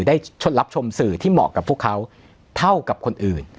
ชดรับชมสื่อที่เหมาะกับพวกเขาเท่ากับคนอื่น